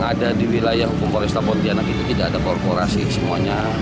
apalagi sudah mau siang semester dan lain sebagainya